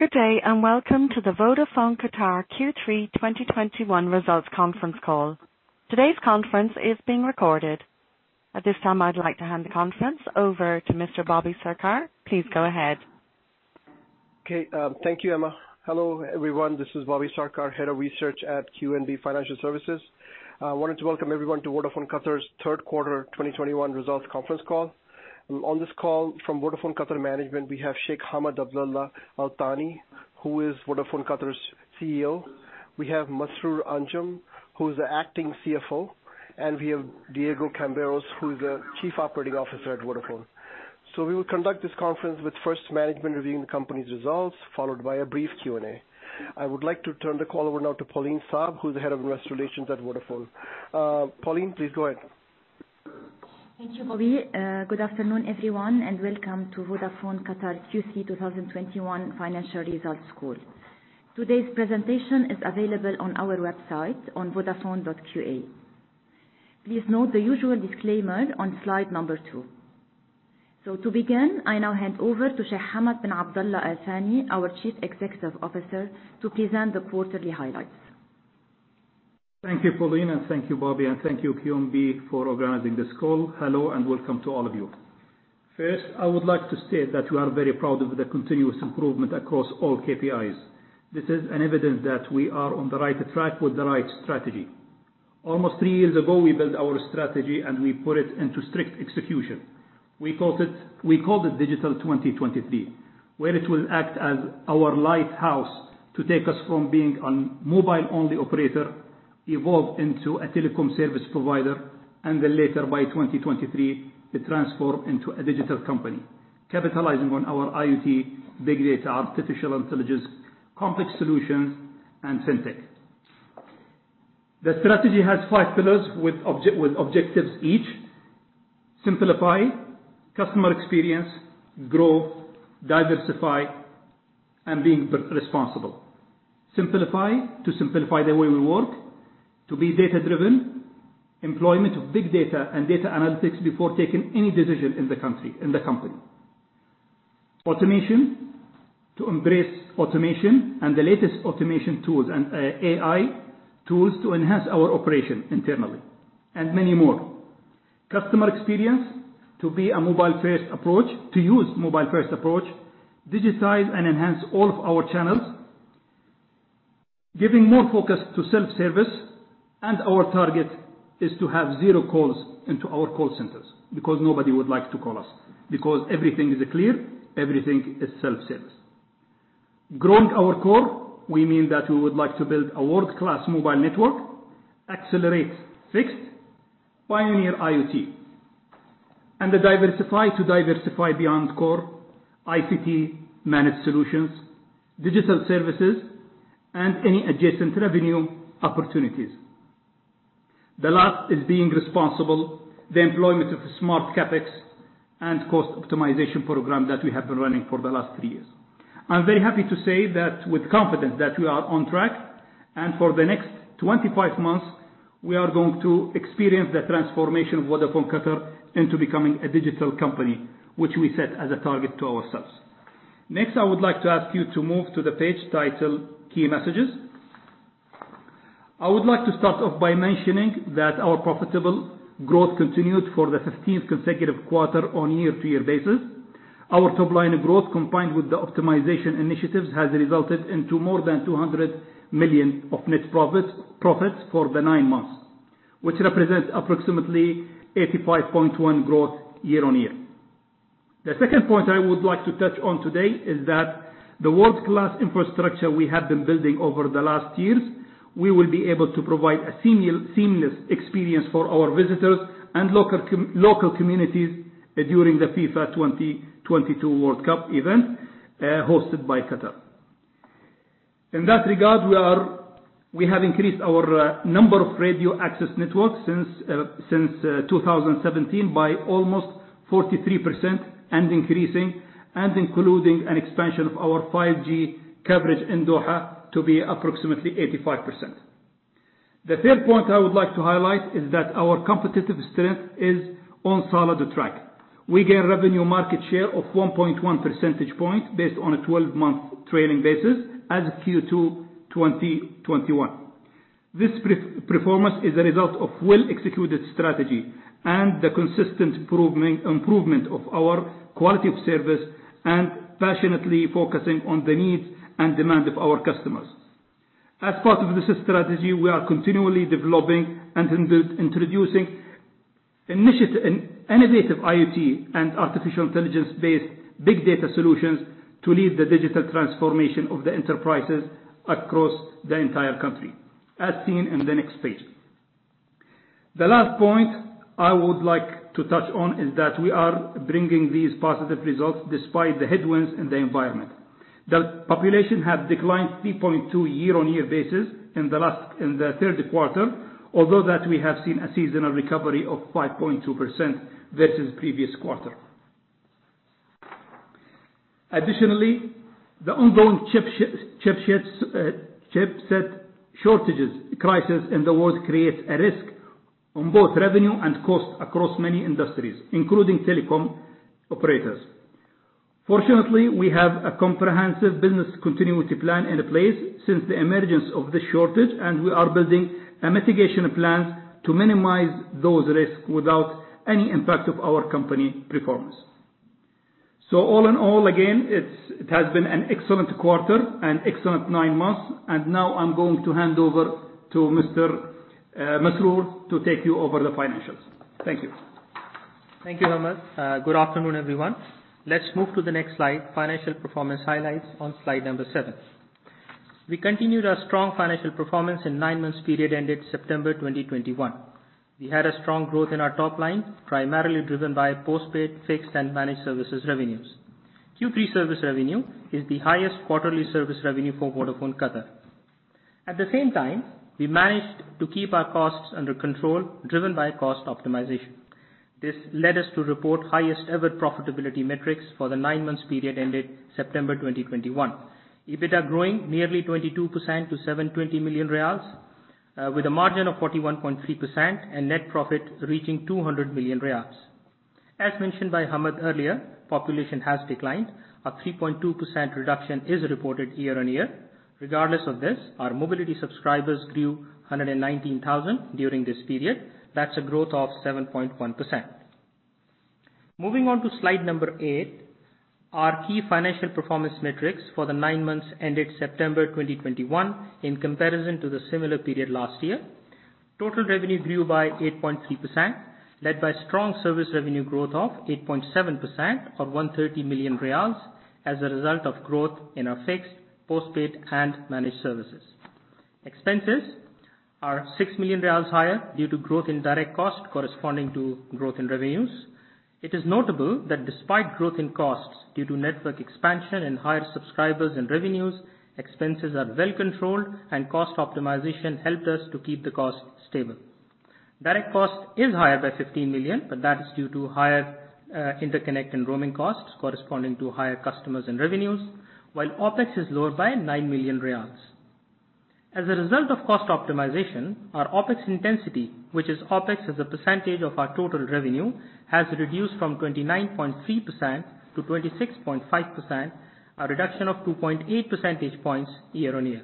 Good day, and welcome to the Vodafone Qatar Q3 2021 results conference call. Today's conference is being recorded. At this time, I'd like to hand the conference over to Mr. Bobby Sarkar. Please go ahead. Okay. Thank you, Emma. Hello, everyone. This is Bobby Sarkar, Head of Research at QNB Financial Services. I wanted to welcome everyone to Vodafone Qatar's third quarter 2021 results conference call. On this call from Vodafone Qatar management, we have Sheikh Hamad bin Abdulla Al Thani, who is Vodafone Qatar's CEO. We have Masroor Anjum, who's the acting CFO, and we have Diego Camberos, who's the Chief Operating Officer at Vodafone. We will conduct this conference with first management reviewing the company's results, followed by a brief Q&A. I would like to turn the call over now to Pauline Abi Saab, who's the Head of Investor Relations at Vodafone. Pauline, please go ahead. Thank you, Bobby. Good afternoon, everyone, and welcome to Vodafone Qatar's Q3 2021 financial results call. Today's presentation is available on our website on vodafone.qa. Please note the usual disclaimer on slide number two. To begin, I now hand over to Sheikh Hamad bin Abdulla Al Thani, our Chief Executive Officer, to present the quarterly highlights. Thank you, Pauline, thank you, Bobby, and thank you, QNB, for organizing this call. Hello and welcome to all of you. First, I would like to state that we are very proud of the continuous improvement across all KPIs. This is an evidence that we are on the right track with the right strategy. Almost three years ago, we built our strategy and we put it into strict execution. We called it Digital 2023, where it will act as our lighthouse to take us from being a mobile-only operator, evolve into a telecom service provider, and then later by 2023, it transform into a digital company, capitalizing on our IoT, Big Data, artificial intelligence, complex solutions, and FinTech. The strategy has five pillars with objectives each: simplify, customer experience, growth, diversify, and being responsible. To simplify the way we work, to be data-driven, employment of Big Data and data analytics before taking any decision in the company. To embrace automation and the latest automation tools and AI tools to enhance our operation internally and many more. Customer experience, to use mobile-first approach, digitize and enhance all of our channels, giving more focus to self-service. Our target is to have zero calls into our call centers because nobody would like to call us because everything is clear, everything is self-service. We mean that we would like to build a world-class mobile network, accelerate fixed, pioneer IoT. To diversify beyond core ICT managed solutions, digital services, and any adjacent revenue opportunities. The employment of smart CapEx and cost optimization program that we have been running for the last three years. I'm very happy to say that with confidence that we are on track, and for the next 25 months, we are going to experience the transformation of Vodafone Qatar into becoming a digital company, which we set as a target to ourselves. Next, I would like to ask you to move to the page title, key messages. I would like to start off by mentioning that our profitable growth continued for the 15th consecutive quarter on year-to-year basis. Our top-line growth, combined with the optimization initiatives, has resulted into more than 200 million of net profits for the nine months, which represents approximately 85.1% growth year-on-year. The second point I would like to touch on today is that the world-class infrastructure we have been building over the last years, we will be able to provide a seamless experience for our visitors and local communities during the FIFA 2022 World Cup event, hosted by Qatar. In that regard, we have increased our number of radio access networks since 2017 by almost 43% and increasing, and including an expansion of our 5G coverage in Doha to be approximately 85%. The third point I would like to highlight is that our competitive strength is on solid track. We gain revenue market share of 1.1 percentage point based on a 12-month trailing basis as of Q2 2021. This performance is a result of well-executed strategy and the consistent improvement of our quality of service and passionately focusing on the needs and demand of our customers. As part of this strategy, we are continually developing and introducing innovative IoT and artificial intelligence-based Big Data solutions to lead the digital transformation of the enterprises across the entire country, as seen in the next page. The last point I would like to touch on is that we are bringing these positive results despite the headwinds in the environment. The population have declined 3.2% year-on-year basis in the third quarter, although that we have seen a seasonal recovery of 5.2% versus previous quarter. Additionally, the ongoing chipset shortages crisis in the world creates a risk on both revenue and cost across many industries, including telecom operators. Fortunately, we have a comprehensive business continuity plan in place since the emergence of this shortage, and we are building a mitigation plan to minimize those risks without any impact of our company performance. All in all, again, it has been an excellent quarter and excellent nine months, now I am going to hand over to Mr. Masroor to take you over the financials. Thank you. Thank you, Hamad. Good afternoon, everyone. Let's move to the next slide, financial performance highlights on slide number seven. We continued our strong financial performance in nine months period ended September 2021. We had a strong growth in our top line, primarily driven by postpaid, fixed, and managed services revenues. Q3 service revenue is the highest quarterly service revenue for Vodafone Qatar. At the same time, we managed to keep our costs under control, driven by cost optimization. This led us to report highest-ever profitability metrics for the nine months period ended September 2021. EBITDA growing nearly 22% to QAR 720 million, with a margin of 41.3% and net profit reaching QAR 200 million. As mentioned by Hamad earlier, population has declined. A 3.2% reduction is reported year-on-year. Regardless of this, our mobility subscribers grew 119,000 during this period. That's a growth of 7.1%. Moving on to slide number eight, our key financial performance metrics for the nine months ended September 2021 in comparison to the similar period last year. Total revenue grew by 8.3%, led by strong service revenue growth of 8.7% or 130 million riyals as a result of growth in our fixed, postpaid, and managed services. Expenses are 6 million riyals higher due to growth in direct cost corresponding to growth in revenues. It is notable that despite growth in costs due to network expansion and higher subscribers and revenues, expenses are well controlled and cost optimization helped us to keep the cost stable. Direct cost is higher by 15 million. That is due to higher interconnect and roaming costs corresponding to higher customers and revenues, while OpEx is lower by 9 million riyals. As a result of cost optimization, our OpEx intensity, which is OpEx as a percentage of our total revenue, has reduced from 29.3%-26.5%, a reduction of 2.8 percentage points year-on-year.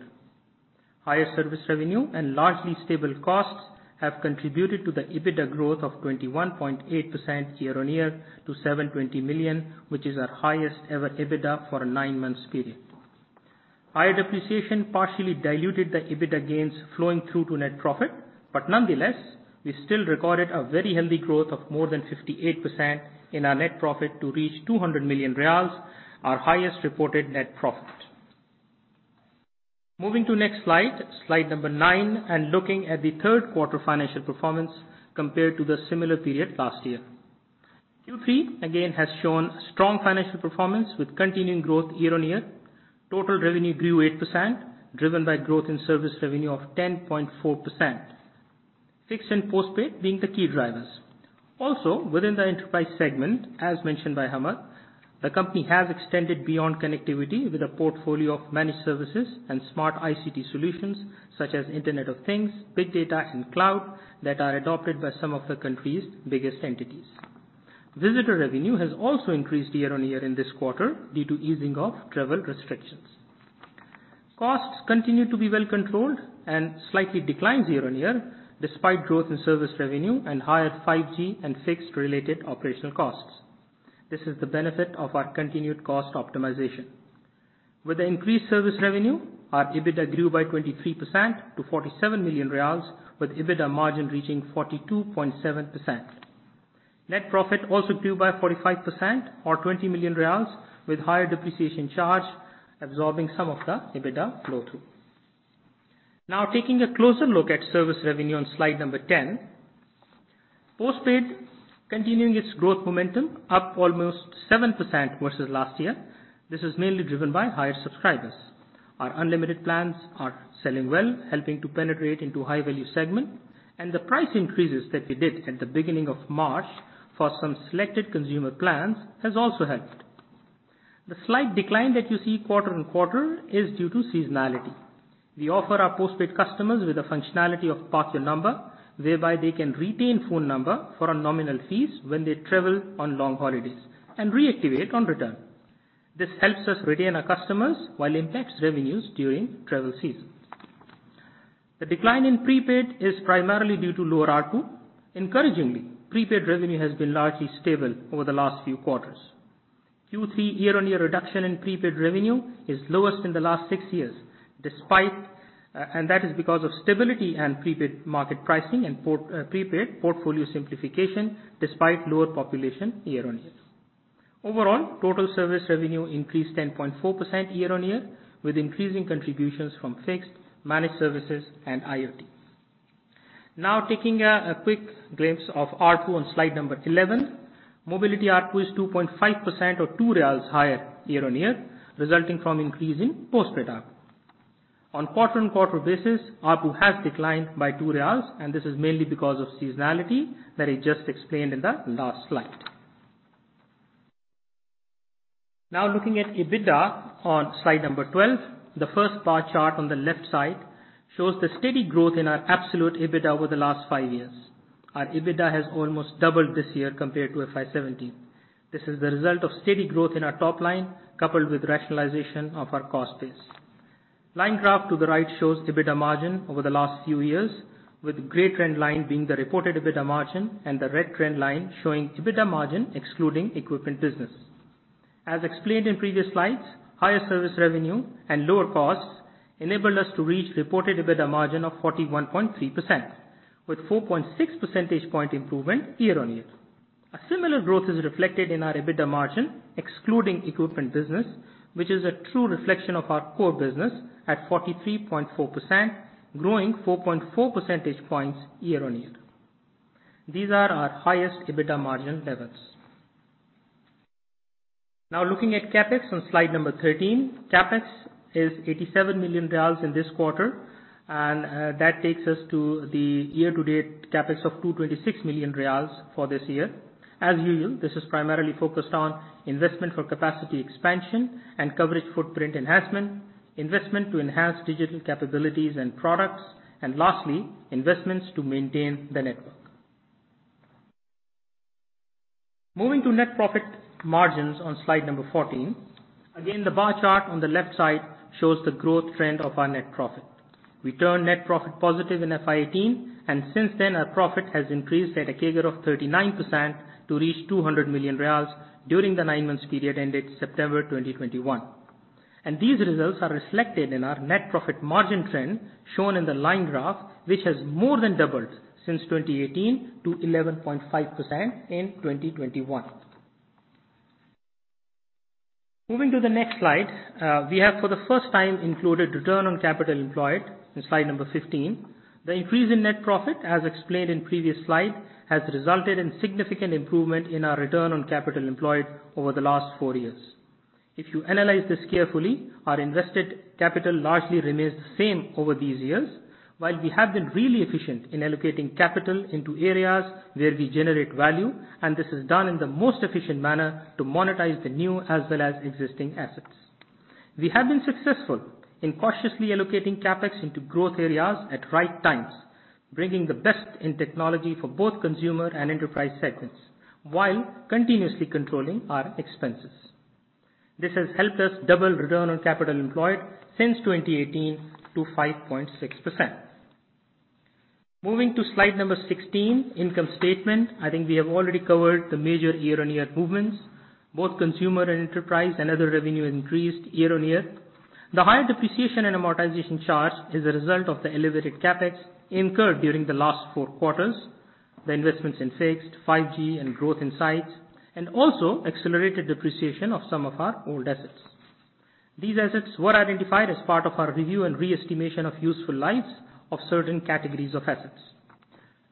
Higher service revenue and largely stable costs have contributed to the EBITDA growth of 21.8% year-on-year to 720 million, which is our highest ever EBITDA for a nine-month period. Higher depreciation partially diluted the EBITDA gains flowing through to net profit. Nonetheless, we still recorded a very healthy growth of more than 58% in our net profit to reach 200 million riyals, our highest reported net profit. Moving to next slide number nine, and looking at the third quarter financial performance compared to the similar period last year. Q3, again, has shown strong financial performance with continuing growth year-on-year. Total revenue grew 8%, driven by growth in service revenue of 10.4%. Fixed and postpaid being the key drivers. Also, within the enterprise segment, as mentioned by Hamad, the company has extended beyond connectivity with a portfolio of managed services and smart ICT solutions such as Internet of Things, Big Data, and cloud that are adopted by some of the country's biggest entities. Visitor revenue has also increased year-on-year in this quarter due to easing of travel restrictions. Costs continue to be well controlled and slightly declined year-over-year, despite growth in service revenue and higher 5G and fixed-related operational costs. This is the benefit of our continued cost optimization. With the increased service revenue, our EBITDA grew by 23% to 47 million riyals, with EBITDA margin reaching 42.7%. Net profit also grew by 45% or 20 million riyals, with higher depreciation charge absorbing some of the EBITDA flow-through. Taking a closer look at service revenue on slide number 10. Postpaid continuing its growth momentum up almost 7% versus last year. This is mainly driven by higher subscribers. Our unlimited plans are selling well, helping to penetrate into high-value segment, and the price increases that we did at the beginning of March for some selected consumer plans has also helped. The slight decline that you see quarter-on-quarter is due to seasonality. We offer our postpaid customers with the functionality of park your number, whereby they can retain phone number for a nominal fees when they travel on long holidays and reactivate on return. This helps us retain our customers while impacts revenues during travel season. The decline in prepaid is primarily due to lower ARPU. Encouragingly, prepaid revenue has been largely stable over the last few quarters. Q3 year-on-year reduction in prepaid revenue is lowest in the last six years because of stability and prepaid market pricing and prepaid portfolio simplification, despite lower population year-on-year. Overall, total service revenue increased 10.4% year-on-year, with increasing contributions from fixed, managed services, and IoT. Taking a quick glimpse of ARPU on slide number 11. Mobility ARPU is 2.5% or QAR 2 higher year-on-year, resulting from increase in postpaid ARPU. On quarter-on-quarter basis, ARPU has declined by QAR 2, and this is mainly because of seasonality that I just explained in the last slide. Now looking at EBITDA on slide number 12. The first bar chart on the left side shows the steady growth in our absolute EBITDA over the last five years. Our EBITDA has almost doubled this year compared to FY 2017. This is the result of steady growth in our top line, coupled with rationalization of our cost base. Line graph to the right shows EBITDA margin over the last few years, with gray trend line being the reported EBITDA margin and the red trend line showing EBITDA margin excluding equipment business. As explained in previous slides, higher service revenue and lower costs enabled us to reach reported EBITDA margin of 41.3%, with 4.6 percentage point improvement year-on-year. A similar growth is reflected in our EBITDA margin excluding equipment business, which is a true reflection of our core business at 43.4%, growing 4.4 percentage points year-on-year. These are our highest EBITDA margin levels. Looking at CapEx on slide number 13. CapEx is QAR 87 million in this quarter. That takes us to the year-to-date CapEx of QAR 226 million for this year. As usual, this is primarily focused on investment for capacity expansion and coverage footprint enhancement, investment to enhance digital capabilities and products, and lastly, investments to maintain the network. Moving to net profit margins on slide number 14. Again, the bar chart on the left side shows the growth trend of our net profit. We turned net profit positive in FY 2018. Since then, our profit has increased at a CAGR of 39% to reach 200 million riyals during the nine months period ended September 2021. These results are reflected in our net profit margin trend shown in the line graph, which has more than doubled since 2018 to 11.5% in 2021. Moving to the next slide, we have for the first time included return on capital employed in slide number 15. The increase in net profit, as explained in previous slide, has resulted in significant improvement in our return on capital employed over the last four years. If you analyze this carefully, our invested capital largely remains the same over these years, while we have been really efficient in allocating capital into areas where we generate value, and this is done in the most efficient manner to monetize the new as well as existing assets. We have been successful in cautiously allocating CapEx into growth areas at right times, bringing the best in technology for both consumer and enterprise segments, while continuously controlling our expenses. This has helped us double return on capital employed since 2018 to 5.6%. Moving to slide number 16, income statement. I think we have already covered the major year-on-year movements. Both consumer and enterprise and other revenue increased year-on-year. The higher depreciation and amortization charge is a result of the elevated CapEx incurred during the last four quarters, the investments in fixed, 5G, and growth in sites, and also accelerated depreciation of some of our old assets. These assets were identified as part of our review and re-estimation of useful lives of certain categories of assets.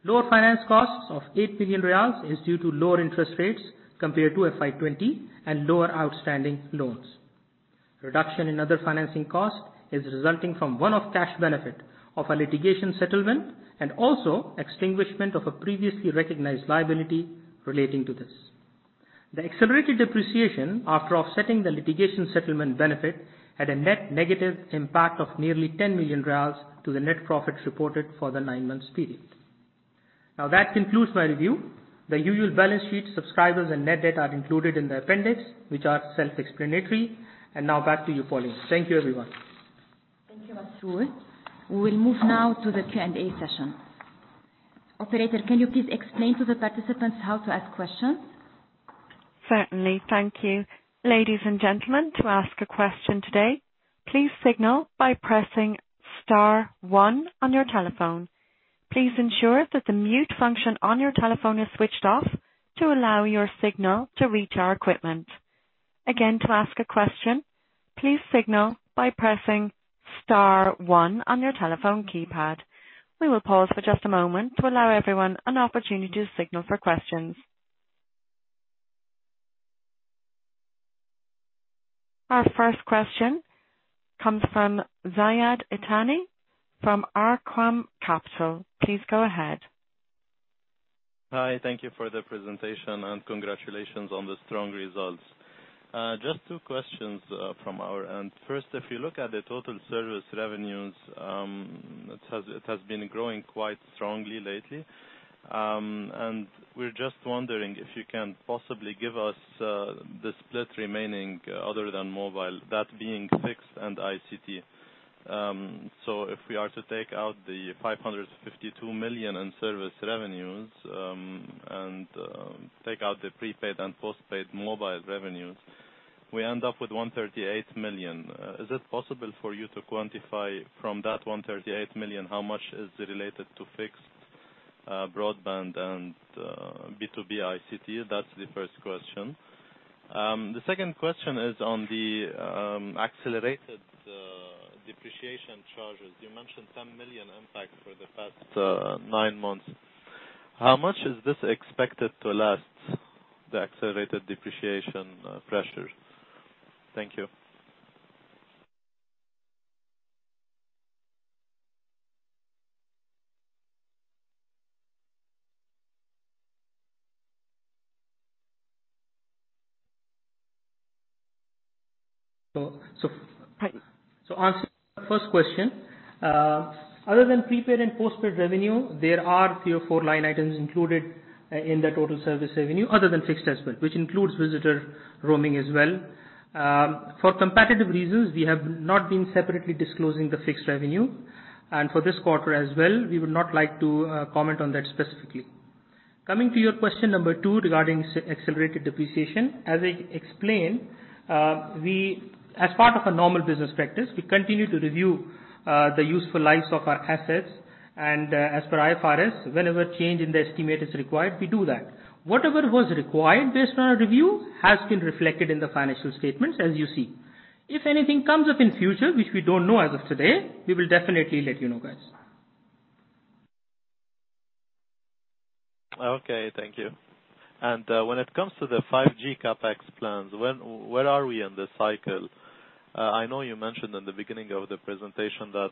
Lower finance costs of 8 million riyals is due to lower interest rates compared to FY 2020 and lower outstanding loans. Reduction in other financing cost is resulting from one-off cash benefit of a litigation settlement and also extinguishment of a previously recognized liability relating to this. The accelerated depreciation after offsetting the litigation settlement benefit had a net negative impact of nearly 10 million riyals to the net profits reported for the nine months period. That concludes my review. The usual balance sheet subscribers and net debt are included in the appendix, which are self-explanatory. Now back to you, Pauline. Thank you, everyone. Thank you, Masroor. We will move now to the Q&A session. Operator, can you please explain to the participants how to ask questions? Certainly. Thank you. Ladies and gentlemen, to ask a question today, please signal by pressing star one on your telephone. Please ensure that the mute function on your telephone is switched off to allow your signal to reach our equipment. Again, to ask a question, please signal by pressing star one on your telephone keypad. We will pause for just a moment to allow everyone an opportunity to signal for questions. Our first question comes from Ziad Itani from Arqaam Capital. Please go ahead. Hi. Thank you for the presentation and congratulations on the strong results. Just two questions from our end. First, if you look at the total service revenues, it has been growing quite strongly lately. We're just wondering if you can possibly give us the split remaining other than mobile, that being fixed and ICT. If we are to take out the 552 million in service revenues, and take out the prepaid and postpaid mobile revenues, we end up with 138 million. Is it possible for you to quantify from that 138 million how much is related to fixed broadband and B2B ICT? That's the first question. The second question is on the accelerated depreciation charges. You mentioned 10 million impact for the past nine months. How much is this expected to last, the accelerated depreciation pressure? Thank you. Answering the first question, other than prepaid and postpaid revenue, there are three or four line items included in the total service revenue other than fixed as well, which includes visitor roaming as well. For competitive reasons, we have not been separately disclosing the fixed revenue, and for this quarter as well, we would not like to comment on that specifically. Coming to your question number two regarding accelerated depreciation, as I explained, as part of our normal business practice, we continue to review the useful lives of our assets. As per IFRS, whenever change in the estimate is required, we do that. Whatever was required based on our review has been reflected in the financial statements, as you see. If anything comes up in future, which we don't know as of today, we will definitely let you know, guys. Okay. Thank you. When it comes to the 5G CapEx plans, where are we in the cycle? I know you mentioned in the beginning of the presentation that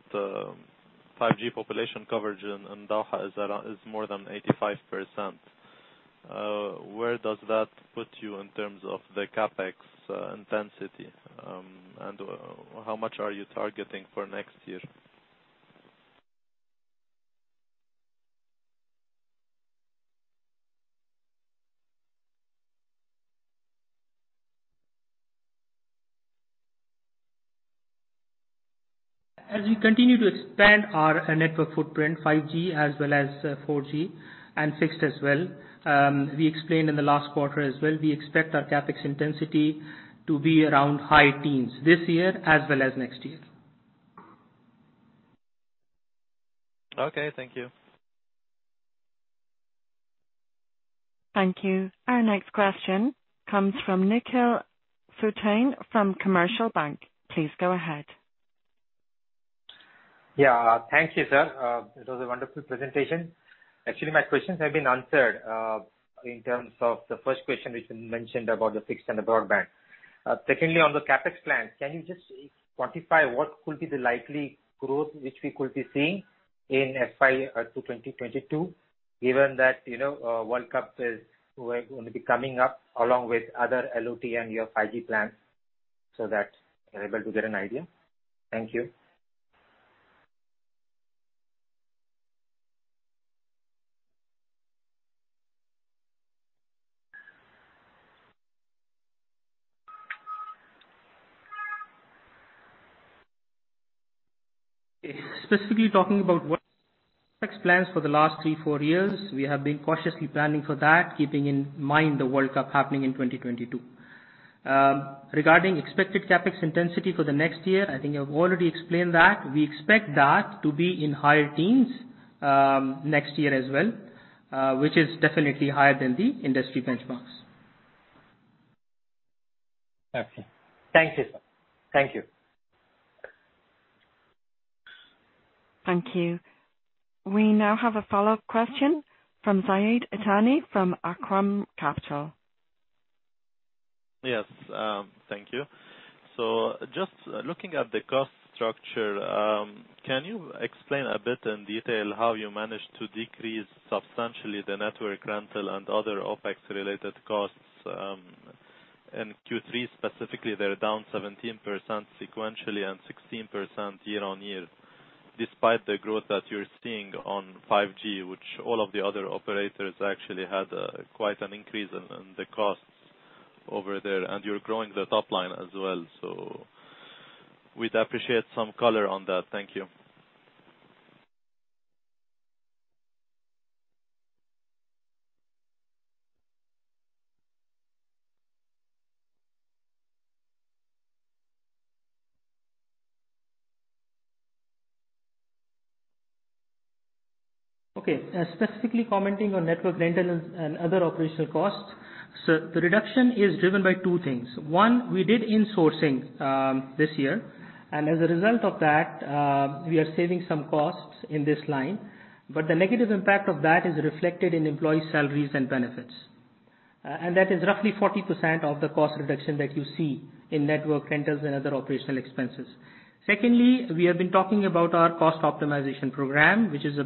5G population coverage in Doha is more than 85%. Where does that put you in terms of the CapEx intensity? How much are you targeting for next year? As we continue to expand our network footprint, 5G as well as 4G and fixed as well, we explained in the last quarter as well, we expect our CapEx intensity to be around high teens this year as well as next year. Okay. Thank you. Thank you. Our next question comes from uncertain from Commercial Bank. Please go ahead. Yeah. Thank you, sir. It was a wonderful presentation. Actually, my questions have been answered, in terms of the first question, which you mentioned about the fixed and the broadband. Secondly, on the CapEx plan, can you just quantify what could be the likely growth which we could be seeing in FY 2022, given that World Cup is going to be coming up along with other IoT and your 5G plans so that we're able to get an idea. Thank you. Specifically talking about what CapEx plans for the last three, four years, we have been cautiously planning for that, keeping in mind the World Cup happening in 2022. Regarding expected CapEx intensity for the next year, I think I've already explained that we expect that to be in higher teens next year as well, which is definitely higher than the industry benchmarks. Okay. Thank you, sir. Thank you. Thank you. We now have a follow-up question from Ziad Itani from Arqaam Capital. Yes. Thank you. Just looking at the cost structure, can you explain a bit in detail how you managed to decrease substantially the network rental and other OpEx related costs in Q3 specifically? They're down 17% sequentially and 16% year-on-year, despite the growth that you're seeing on 5G, which all of the other operators actually had quite an increase in the costs over there. You're growing the top line as well. We'd appreciate some color on that. Thank you. Okay. The reduction is driven by two things. One, we did insourcing this year, and as a result of that, we are saving some costs in this line, but the negative impact of that is reflected in employee salaries and benefits. That is roughly 40% of the cost reduction that you see in network rentals and other operational expenses. Secondly, we have been talking about our cost optimization program, which is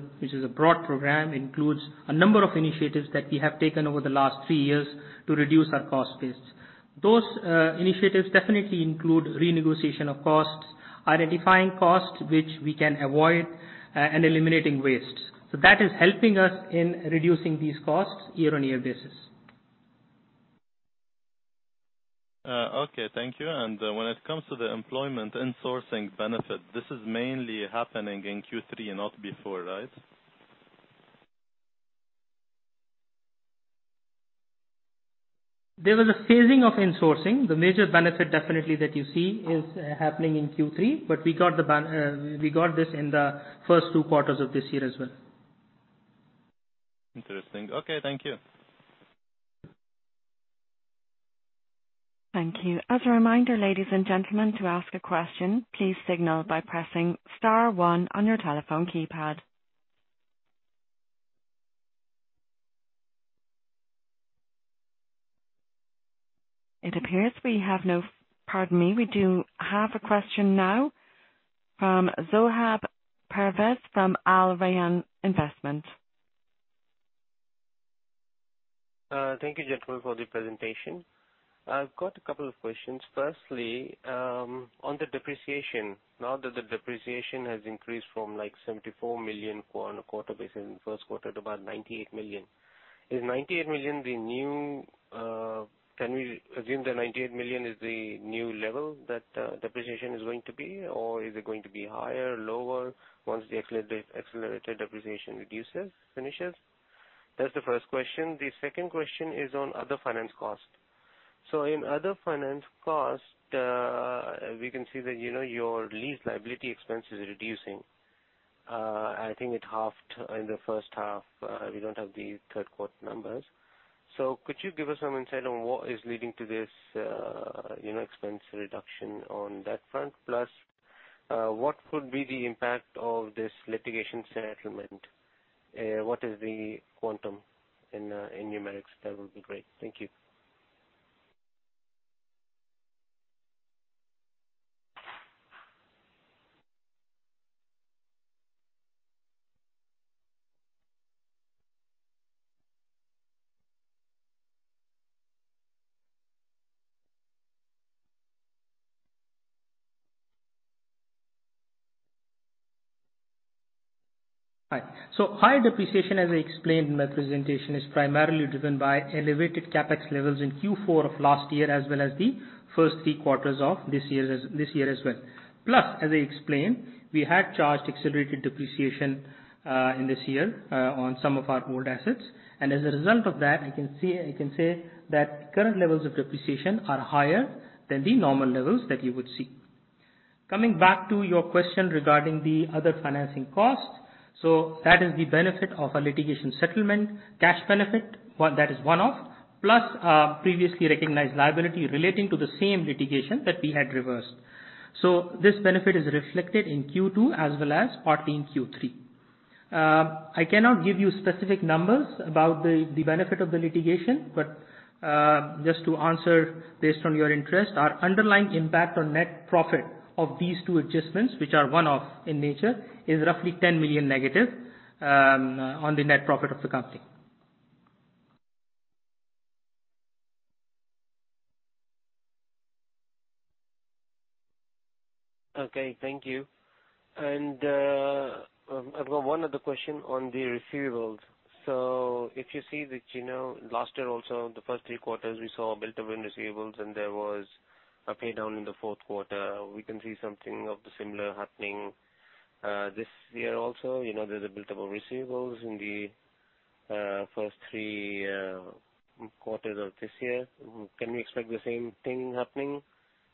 a broad program, includes a number of initiatives that we have taken over the last three years to reduce our cost base. Those initiatives definitely include renegotiation of costs, identifying costs which we can avoid, and eliminating waste. That is helping us in reducing these costs year-on-year basis. Okay, thank you. When it comes to the employment insourcing benefit, this is mainly happening in Q3 and not before, right? There was a phasing of insourcing. The major benefit definitely that you see is happening in Q3. We got this in the first two quarters of this year as well. Interesting. Okay. Thank you. Thank you. As a reminder, ladies and gentlemen, to ask a question, please signal by pressing star one on your telephone keypad. It appears we have no, pardon me. We do have a question now from Zohaib Pervez from AlRayan Investment Qatar. Thank you, gentlemen, for the presentation. I've got a couple of questions. Firstly, on the depreciation, now that the depreciation has increased from 74 million on a quarter basis in the first quarter to about 98 million. Can we assume the 98 million is the new level that depreciation is going to be, or is it going to be higher/lower once the accelerated depreciation finishes? That's the first question. The second question is on other finance cost. In other finance cost, we can see that your lease liability expense is reducing. I think it halved in the first half. We don't have the third quarter numbers. Could you give us some insight on what is leading to this expense reduction on that front? Plus, what could be the impact of this litigation settlement? What is the quantum in numerics? That would be great. Thank you. Hi. Higher depreciation, as I explained in my presentation, is primarily driven by elevated CapEx levels in Q4 of last year, as well as the first three quarters of this year as well. Plus, as I explained, we had charged accelerated depreciation in this year on some of our old assets. As a result of that, I can say that current levels of depreciation are higher than the normal levels that you would see. Coming back to your question regarding the other financing cost. That is the benefit of a litigation settlement, cash benefit, that is one-off, plus previously recognized liability relating to the same litigation that we had reversed. This benefit is reflected in Q2 as well as partly in Q3. I cannot give you specific numbers about the benefit of the litigation, but just to answer based on your interest, our underlying impact on net profit of these two adjustments, which are one-off in nature, is roughly 10 million negative on the net profit of the company. Okay, thank you. I've got one other question on the receivables. If you see that, last year also, the first three quarters, we saw a buildup in receivables, and there was a pay-down in the fourth quarter. We can see something of the similar happening this year also. There's a buildup of receivables in the first three quarters of this year. Can we expect the same thing happening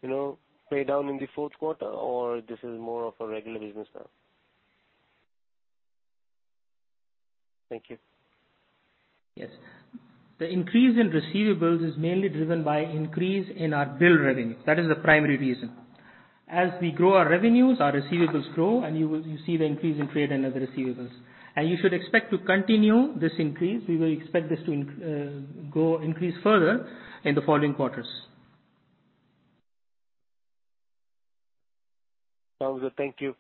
pay-down in the fourth quarter, or this is more of a regular business now? Thank you. Yes. The increase in receivables is mainly driven by increase in our bill revenue. That is the primary reason. As we grow our revenues, our receivables grow, and you see the increase in trade and other receivables. You should expect to continue this increase. We will expect this to increase further in the following quarters. Sounds good. Thank you.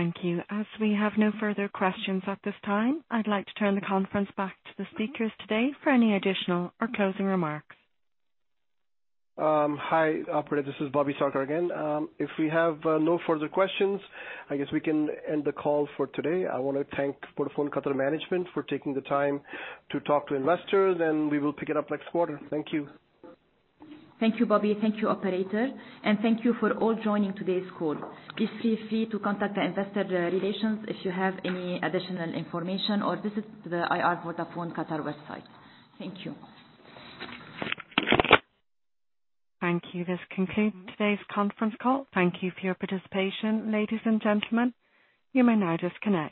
Thank you. As we have no further questions at this time, I'd like to turn the conference back to the speakers today for any additional or closing remarks. Hi, operator, this is Bobby Sarkar again. If we have no further questions, I guess we can end the call for today. I want to thank Vodafone Qatar management for taking the time to talk to investors, and we will pick it up next quarter. Thank you. Thank you, Bobby. Thank you, operator. Thank you for all joining today's call. Please feel free to contact the investor relations if you want any additional information, or visit the IR Vodafone Qatar website. Thank you. Thank you. This concludes today's conference call. Thank you for your participation, ladies and gentlemen. You may now disconnect.